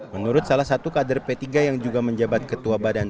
menurut salah satu kader p tiga yang juga menjabat ketua badan